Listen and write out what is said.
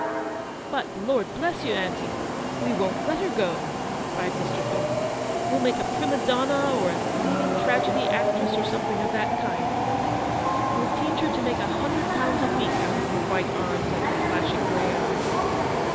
" But, Lord bless you, aunty, we won't let her go," cried Mr. Thornton; "we'll make a prima donna or a leading tragedy actress, or something MRS. BANNISTER HOLDS OUT A HELPING HAND. 197 of that kind, of her. We'll teach her to make a hundred pounds a week out of her white arms and her flashing grey eyes.